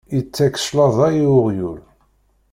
Yettak cclaḍa i uɣyul.